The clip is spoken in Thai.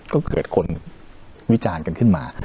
ก็เกิดคนวิจารณ์กันขึ้นมา